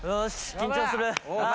緊張する。